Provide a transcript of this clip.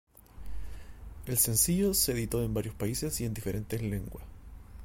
El sencillo se editó en varios países y en diferentes lengua.